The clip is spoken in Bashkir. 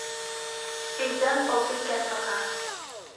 Өйҙән Балбикә сыға.